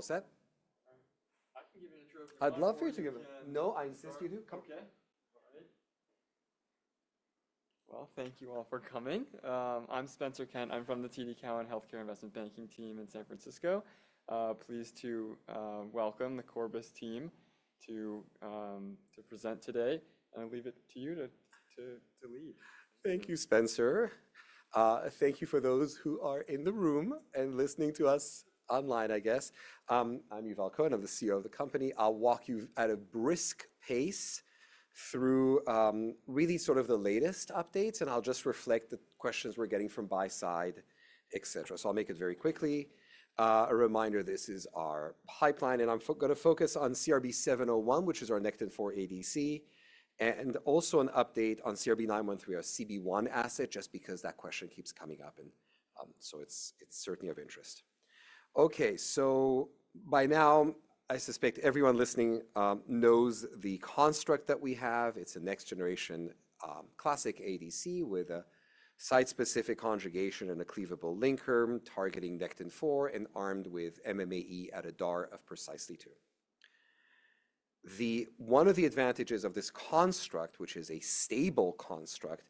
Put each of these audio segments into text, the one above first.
All set? I can give you the truth. I'd love for you to give it. No, I insist you do. Okay. All right. Thank you all for coming. I'm Spencer Kent. I'm from the TD Cowen Healthcare Investment Banking team in San Francisco. Pleased to welcome the Corbus team to present today, and I'll leave it to you to lead. Thank you, Spencer. Thank you for those who are in the room and listening to us online, I guess. I'm Yuval Cohen. I'm the CEO of the company. I'll walk you at a brisk pace through really sort of the latest updates, and I'll just reflect the questions we're getting from buy-side, etc. I'll make it very quickly. A reminder, this is our pipeline, and I'm going to focus on CRB-701, which is our Nectin-4 ADC, and also an update on CRB-913, our CB1 asset, just because that question keeps coming up, and so it's certainly of interest. By now, I suspect everyone listening knows the construct that we have. It's a next-generation classic ADC with a site-specific conjugation and a cleavable linker targeting Nectin-4 and armed with MMAE at a DAR of precisely two. One of the advantages of this construct, which is a stable construct,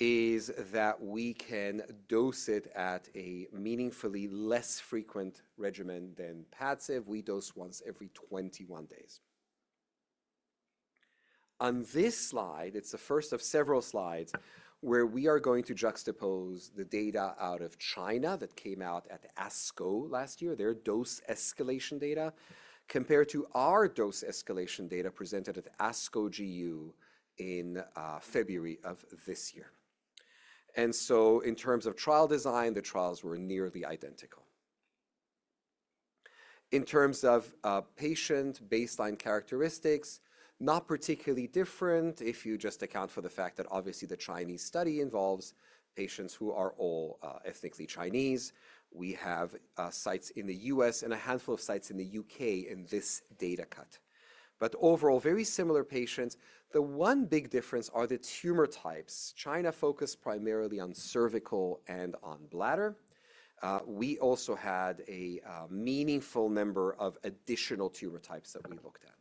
is that we can dose it at a meaningfully less frequent regimen than Padcev. We dose once every 21 days. On this slide, it's the first of several slides where we are going to juxtapose the data out of China that came out at ASCO last year, their dose escalation data, compared to our dose escalation data presented at ASCO GU in February of this year. In terms of trial design, the trials were nearly identical. In terms of patient baseline characteristics, not particularly different if you just account for the fact that obviously the Chinese study involves patients who are all ethnically Chinese. We have sites in the U.S. and a handful of sites in the U.K. in this data cut. Overall, very similar patients. The one big difference are the tumor types. China focused primarily on cervical and on bladder. We also had a meaningful number of additional tumor types that we looked at.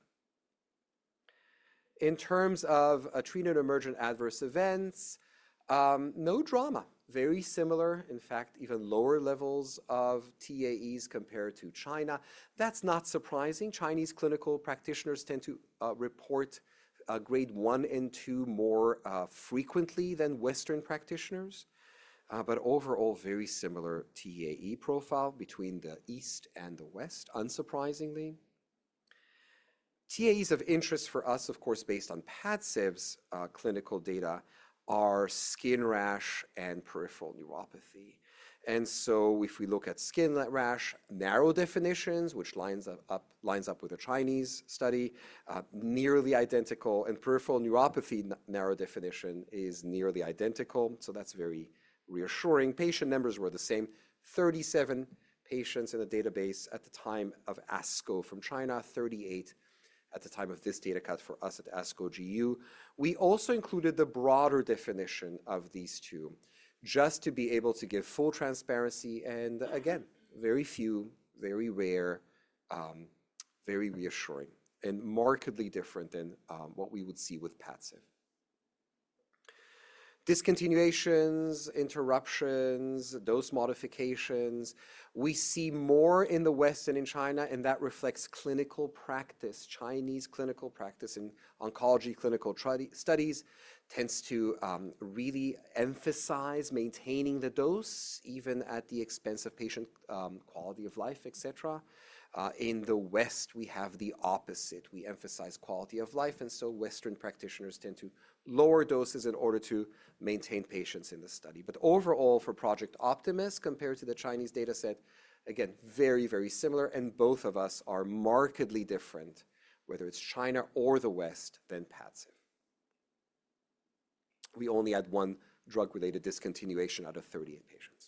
In terms of treatment-emergent adverse events, no drama. Very similar, in fact, even lower levels of TAEs compared to China. That's not surprising. Chinese clinical practitioners tend to report grade I and II more frequently than Western practitioners, but overall, very similar TAE profile between the East and the West, unsurprisingly. TAEs of interest for us, of course, based on Padcev's clinical data, are skin rash and peripheral neuropathy. If we look at skin rash, narrow definitions, which lines up with a Chinese study, nearly identical, and peripheral neuropathy narrow definition is nearly identical. That's very reassuring. Patient numbers were the same: 37 patients in the database at the time of ASCO from China, 38 at the time of this data cut for us at ASCO GU. We also included the broader definition of these two just to be able to give full transparency. Very few, very rare, very reassuring, and markedly different than what we would see with Padcev. Discontinuations, interruptions, dose modifications, we see more in the West than in China, and that reflects clinical practice. Chinese clinical practice in oncology clinical studies tends to really emphasize maintaining the dose, even at the expense of patient quality of life, etc. In the West, we have the opposite. We emphasize quality of life, and so Western practitioners tend to lower doses in order to maintain patients in the study. Overall, for Project Optimus, compared to the Chinese dataset, again, very, very similar, and both of us are markedly different, whether it's China or the West, than Padcev. We only had one drug-related discontinuation out of 38 patients.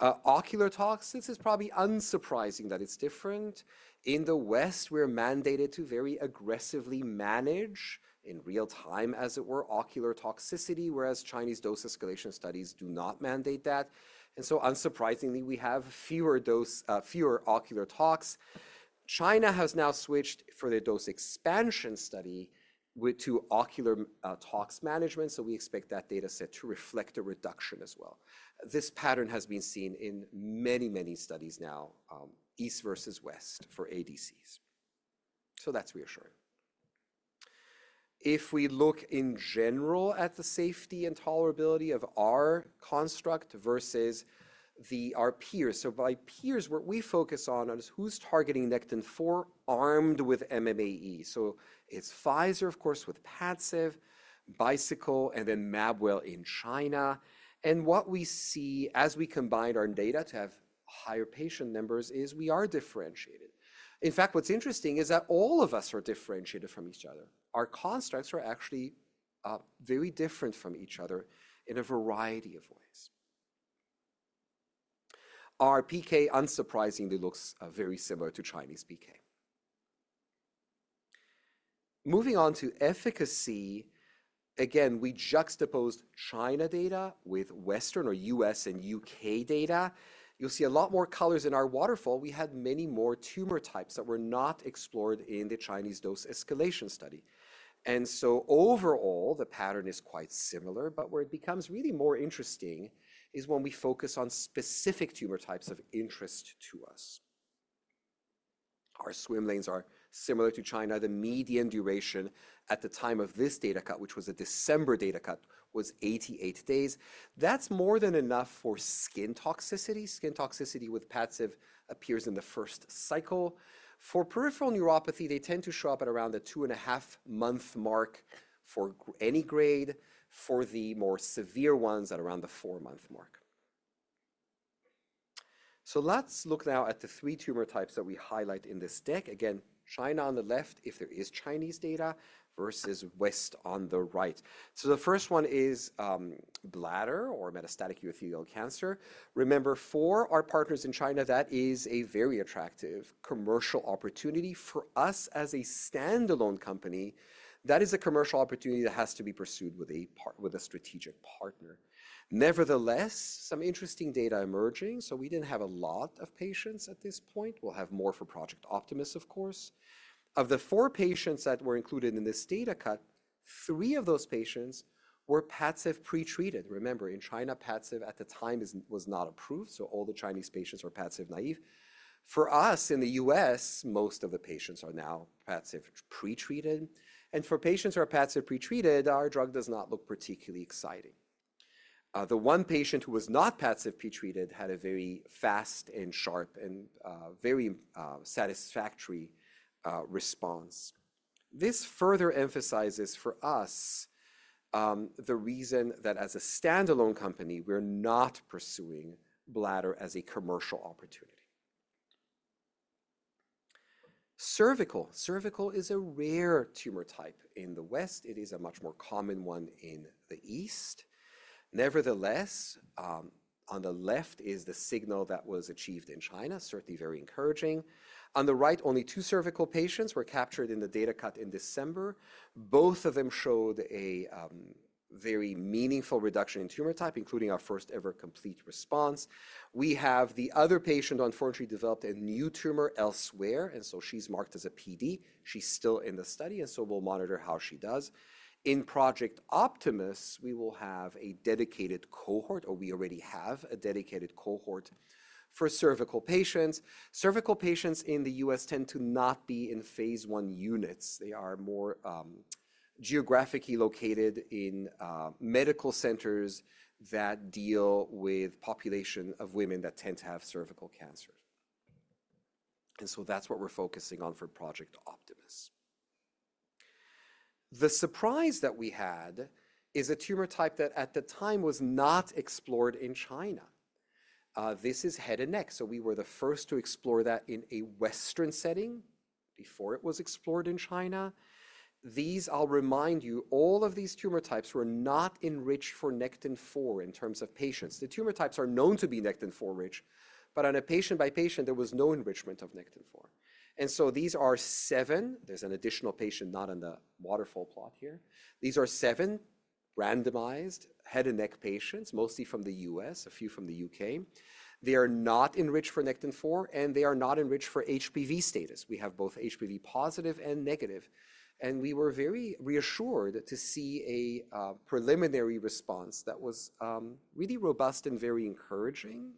Ocular tox is probably unsurprising that it's different. In the West, we're mandated to very aggressively manage, in real time, as it were, ocular toxicity, whereas Chinese dose escalation studies do not mandate that. Unsurprisingly, we have fewer ocular tox. China has now switched for their dose expansion study to ocular tox management, so we expect that dataset to reflect a reduction as well. This pattern has been seen in many, many studies now, East versus West for ADCs. That's reassuring. If we look in general at the safety and tolerability of our construct versus our peers, so by peers, what we focus on is who's targeting Nectin-4 armed with MMAE. So it's Pfizer, of course, with Padcev, Bicycle, and then Mabwell in China. And what we see as we combine our data to have higher patient numbers is we are differentiated. In fact, what's interesting is that all of us are differentiated from each other. Our constructs are actually very different from each other in a variety of ways. Our PK unsurprisingly looks very similar to Chinese PK. Moving on to efficacy, again, we juxtaposed China data with Western or U.S. and U.K. data. You'll see a lot more colors in our waterfall. We had many more tumor types that were not explored in the Chinese dose escalation study. Overall, the pattern is quite similar, but where it becomes really more interesting is when we focus on specific tumor types of interest to us. Our swim lanes are similar to China. The median duration at the time of this data cut, which was a December data cut, was 88 days. That is more than enough for skin toxicity. Skin toxicity with Padcev appears in the first cycle. For peripheral neuropathy, they tend to show up at around the two and a half month mark for any grade. For the more severe ones, at around the four-month mark. Let us look now at the three tumor types that we highlight in this deck. Again, China on the left if there is Chinese data versus West on the right. The first one is bladder or metastatic urothelial cancer. Remember, for our partners in China, that is a very attractive commercial opportunity for us as a standalone company. That is a commercial opportunity that has to be pursued with a strategic partner. Nevertheless, some interesting data emerging. We did not have a lot of patients at this point. We'll have more for Project Optimus, of course. Of the four patients that were included in this data cut, three of those patients were Padcev pretreated. Remember, in China, Padcev at the time was not approved, so all the Chinese patients were Padcev naive. For us in the U.S., most of the patients are now Padcev pretreated. For patients who are Padcev pretreated, our drug does not look particularly exciting. The one patient who was not Padcev pretreated had a very fast and sharp and very satisfactory response. This further emphasizes for us the reason that as a standalone company, we're not pursuing bladder as a commercial opportunity. Cervical. Cervical is a rare tumor type in the West. It is a much more common one in the East. Nevertheless, on the left is the signal that was achieved in China, certainly very encouraging. On the right, only two cervical patients were captured in the data cut in December. Both of them showed a very meaningful reduction in tumor type, including our first-ever complete response. We have the other patient, unfortunately, developed a new tumor elsewhere, and so she's marked as a PD. She's still in the study, and so we'll monitor how she does. In Project Optimus, we will have a dedicated cohort, or we already have a dedicated cohort for cervical patients. Cervical patients in the US tend to not be in phase I units. They are more geographically located in medical centers that deal with a population of women that tend to have cervical cancers. That is what we're focusing on for Project Optimus. The surprise that we had is a tumor type that at the time was not explored in China. This is head and neck, so we were the first to explore that in a Western setting before it was explored in China. These, I'll remind you, all of these tumor types were not enriched for Nectin-4 in terms of patients. The tumor types are known to be Nectin-4 rich, but on a patient-by-patient, there was no enrichment of Nectin-4. These are seven—there is an additional patient not on the waterfall plot here—these are seven randomized head and neck patients, mostly from the U.S., a few from the U.K. They are not enriched for Nectin-4, and they are not enriched for HPV status. We have both HPV positive and negative. We were very reassured to see a preliminary response that was really robust and very encouraging.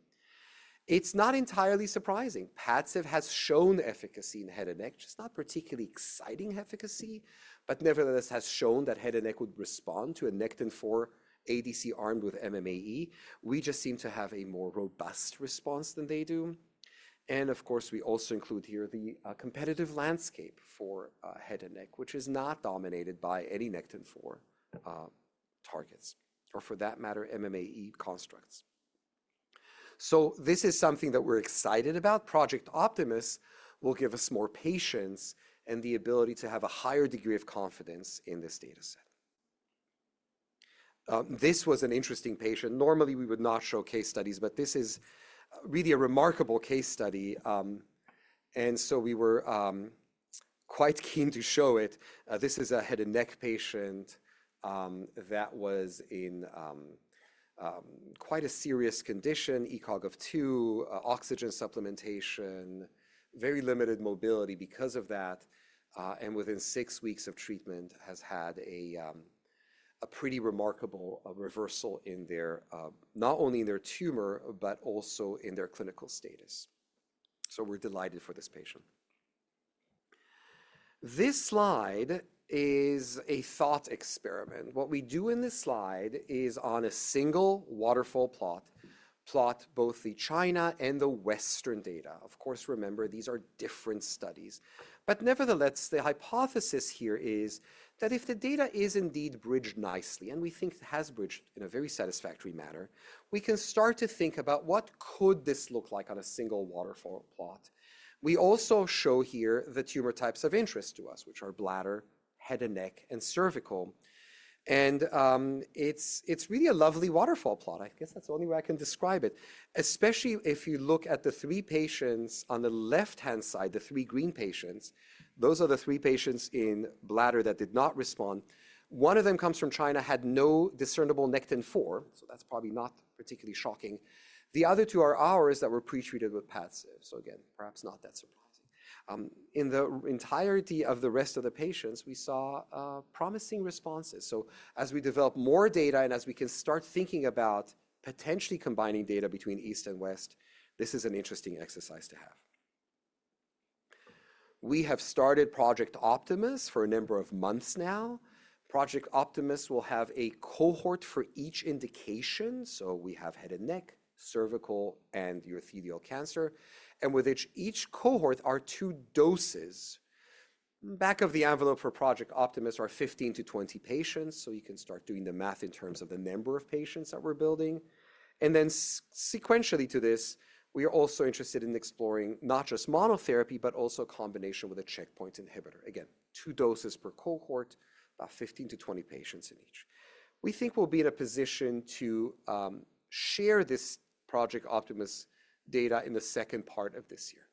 It's not entirely surprising. Padcev has shown efficacy in head and neck, just not particularly exciting efficacy, but nevertheless has shown that head and neck would respond to a Nectin-4 ADC armed with MMAE. We just seem to have a more robust response than they do. We also include here the competitive landscape for head and neck, which is not dominated by any Nectin-4 targets, or for that matter, MMAE constructs. This is something that we're excited about. Project Optimus will give us more patients and the ability to have a higher degree of confidence in this dataset. This was an interesting patient. Normally, we would not show case studies, but this is really a remarkable case study, and we were quite keen to show it. This is a head and neck patient that was in quite a serious condition, ECOG of two, oxygen supplementation, very limited mobility because of that, and within six weeks of treatment has had a pretty remarkable reversal in not only in their tumor but also in their clinical status. We are delighted for this patient. This slide is a thought experiment. What we do in this slide is on a single waterfall plot, plot both the China and the Western data. Of course, remember, these are different studies. Nevertheless, the hypothesis here is that if the data is indeed bridged nicely, and we think it has bridged in a very satisfactory manner, we can start to think about what could this look like on a single waterfall plot. We also show here the tumor types of interest to us, which are bladder, head and neck, and cervical. It is really a lovely waterfall plot. I guess that is the only way I can describe it, especially if you look at the three patients on the left-hand side, the three green patients. Those are the three patients in bladder that did not respond. One of them comes from China, had no discernible Nectin-4, so that is probably not particularly shocking. The other two are ours that were pretreated with Padcev. Again, perhaps not that surprising. In the entirety of the rest of the patients, we saw promising responses. As we develop more data and as we can start thinking about potentially combining data between East and West, this is an interesting exercise to have. We have started Project Optimus for a number of months now. Project Optimus will have a cohort for each indication. We have head and neck, cervical, and urothelial cancer. With each cohort are two doses. Back of the envelope for Project Optimus are 15-20 patients, so you can start doing the math in terms of the number of patients that we're building. Sequentially to this, we are also interested in exploring not just monotherapy, but also a combination with a checkpoint inhibitor. Again, two doses per cohort, about 15-20 patients in each. We think we'll be in a position to share this Project Optimus data in the second part of this year.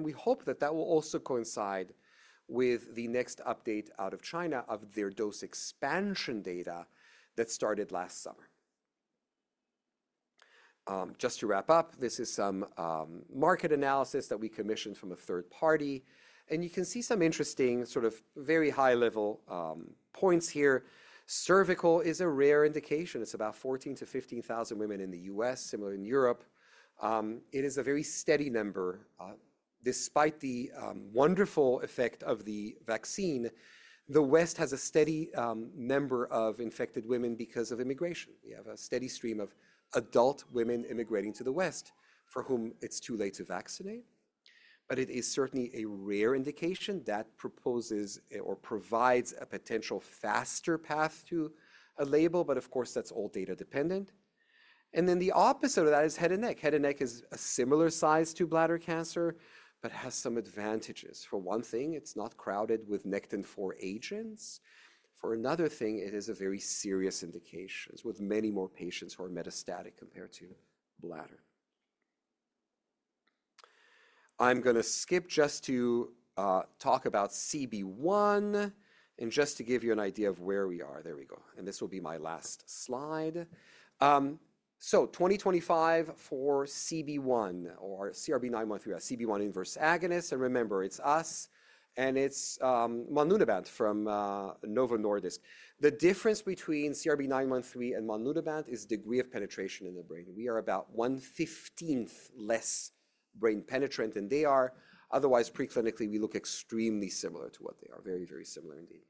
We hope that that will also coincide with the next update out of China of their dose expansion data that started last summer. Just to wrap up, this is some market analysis that we commissioned from a third party. You can see some interesting sort of very high-level points here. Cervical is a rare indication. It is about 14,000-15,000 women in the U.S., similar in Europe. It is a very steady number. Despite the wonderful effect of the vaccine, the West has a steady number of infected women because of immigration. We have a steady stream of adult women immigrating to the West for whom it is too late to vaccinate. It is certainly a rare indication that proposes or provides a potential faster path to a label, but of course, that is all data dependent. The opposite of that is head and neck. Head and neck is a similar size to bladder cancer, but has some advantages. For one thing, it's not crowded with Nectin-4 agents. For another thing, it is a very serious indication with many more patients who are metastatic compared to bladder. I'm going to skip just to talk about CB1 and just to give you an idea of where we are. There we go. This will be my last slide. 2025 for CB1 or CRB-913, CB1 inverse agonist. Remember, it's us and it's monlunabant from Novo Nordisk. The difference between CRB-913 and monlunabant is degree of penetration in the brain. We are about one-fifteenth less brain penetrant than they are. Otherwise, preclinically, we look extremely similar to what they are, very, very similar indeed.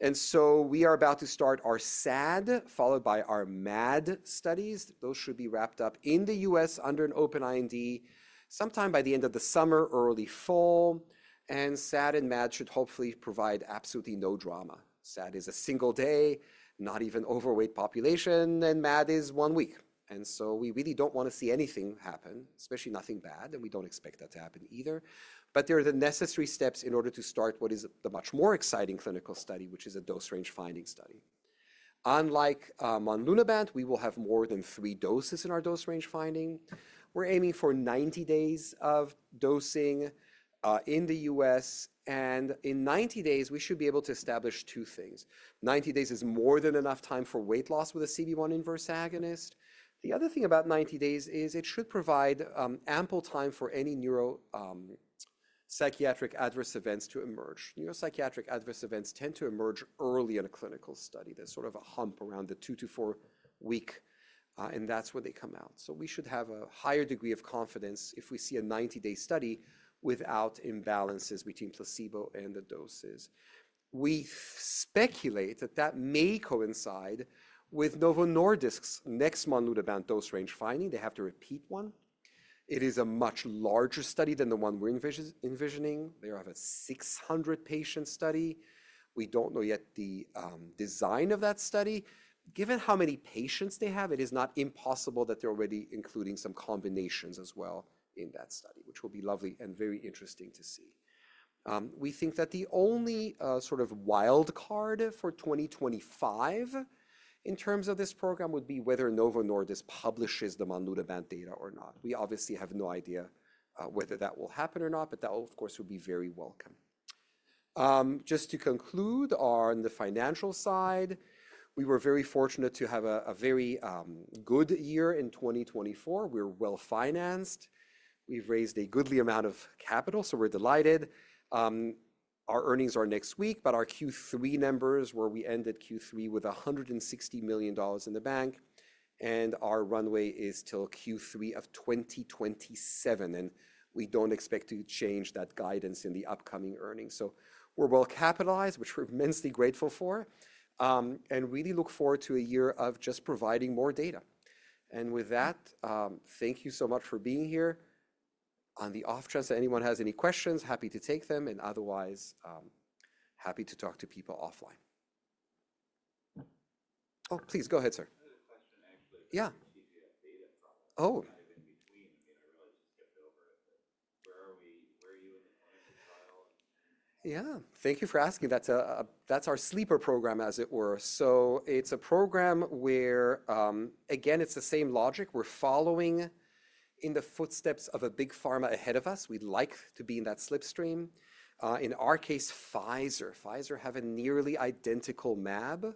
We are about to start our SAD followed by our MAD studies. Those should be wrapped up in the U.S. under an open IND sometime by the end of the summer, early fall. SAD and MAD should hopefully provide absolutely no drama. SAD is a single day, not even overweight population, and MAD is one week. We really do not want to see anything happen, especially nothing bad, and we do not expect that to happen either. There are the necessary steps in order to start what is the much more exciting clinical study, which is a dose range finding study. Unlike monlunabant, we will have more than three doses in our dose range finding. We are aiming for 90 days of dosing in the U.S. In 90 days, we should be able to establish two things. Ninety days is more than enough time for weight loss with a CB1 inverse agonist. The other thing about 90 days is it should provide ample time for any neuropsychiatric adverse events to emerge. Neuropsychiatric adverse events tend to emerge early in a clinical study. There is sort of a hump around the two- to four-week, and that is where they come out. We should have a higher degree of confidence if we see a 90-day study without imbalances between placebo and the doses. We speculate that that may coincide with Novo Nordisk's next monlunabant dose range finding. They have to repeat one. It is a much larger study than the one we are envisioning. They have a 600-patient study. We do not know yet the design of that study. Given how many patients they have, it is not impossible that they are already including some combinations as well in that study, which will be lovely and very interesting to see. We think that the only sort of wild card for 2025 in terms of this program would be whether Novo Nordisk publishes the monlunabant data or not. We obviously have no idea whether that will happen or not, but that, of course, would be very welcome. Just to conclude, on the financial side, we were very fortunate to have a very good year in 2024. We're well-financed. We've raised a goodly amount of capital, so we're delighted. Our earnings are next week, but our Q3 numbers where we ended Q3 with $160 million in the bank, and our runway is till Q3 of 2027. We do not expect to change that guidance in the upcoming earnings. We are well-capitalized, which we are immensely grateful for, and really look forward to a year of just providing more data. With that, thank you so much for being here. On the off chance that anyone has any questions, happy to take them, and otherwise, happy to talk to people offline. Oh, please go ahead, sir. I had a question, actually. Yeah. Oh. In between. I mean, I really just skipped over it. Where are you in the clinical trial? Yeah. Thank you for asking. That's our sleeper program, as it were. So it's a program where, again, it's the same logic. We're following in the footsteps of a big pharma ahead of us. We'd like to be in that slipstream. In our case, Pfizer. Pfizer has a nearly identical mAb.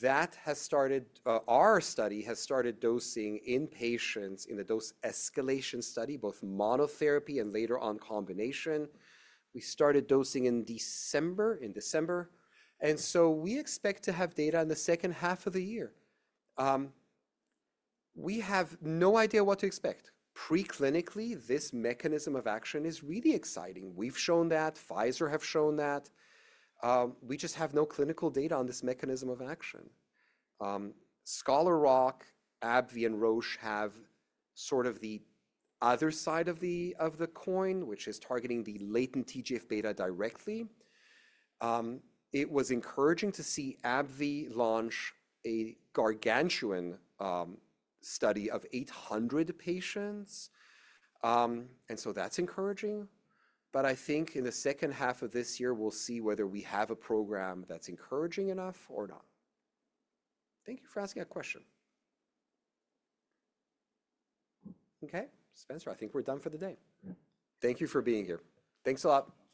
That has started our study has started dosing in patients in the dose escalation study, both monotherapy and later on combination. We started dosing in December, in December. And so we expect to have data in the second half of the year. We have no idea what to expect. Preclinically, this mechanism of action is really exciting. We've shown that. Pfizer has shown that. We just have no clinical data on this mechanism of action. Scholar Rock, AbbVie, and Roche have sort of the other side of the coin, which is targeting the latent TGF-beta directly. It was encouraging to see AbbVie launch a gargantuan study of 800 patients. That is encouraging. I think in the second half of this year, we'll see whether we have a program that's encouraging enough or not. Thank you for asking that question. Okay. Spencer, I think we're done for the day. Thank you for being here. Thanks a lot.